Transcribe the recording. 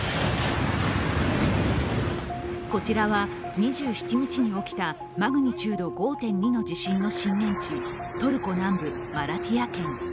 こちらは、２７日に起きたマグニチュード５．２の地震の震源地トルコ南部マラティヤ県。